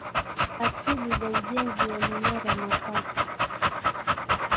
atibu za ujenzi wa minara mapacha